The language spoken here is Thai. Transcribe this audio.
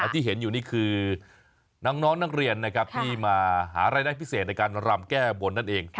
ที่เห็นอยู่นี่คือน้องนักเรียนนะครับที่มาหารายได้พิเศษในการรำแก้บนนั่นเอง